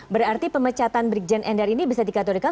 berarti pemecatan brigjen ender ini bisa dikatorikan